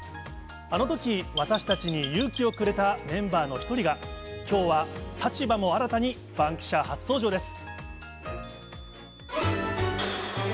あのとき、私たちに勇気をくれたメンバーの一人が、きょうは、立場も新たに、バンキシャ初登場です。